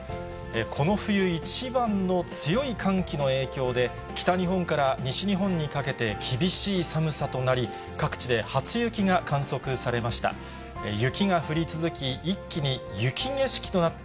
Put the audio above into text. この冬一番の強い寒気の影響で、北日本から西日本にかけて、厳しい寒さとなり、各地で初雪が観測されました。